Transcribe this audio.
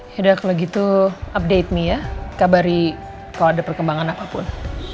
sudah kalau gitu update mie ya kabari kalau ada perkembangan apapun